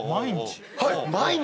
毎日？